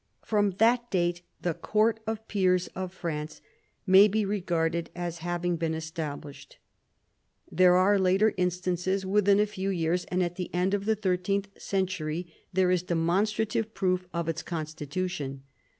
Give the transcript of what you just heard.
From that date the court of peers of France ma}^ be regarded as having been established. There are later instances within a few years, and at the end of the thirteenth century there is demonstrative proof of its constitution.